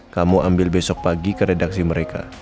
kamu ambil besok pagi ke redaksi mereka